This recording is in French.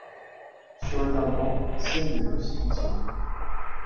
Sur le tympan, scène de crucifixion.